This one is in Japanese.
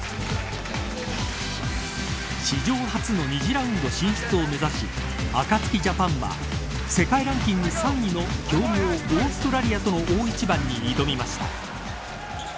史上初の２次リーグ進出を目指しアカツキジャパンは世界ランキング３位の強豪オーストラリアとの大一番に挑みました。